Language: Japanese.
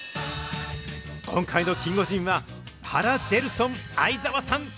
今回のキンゴジンは、ハラ・ジェルソン・アイザワさん。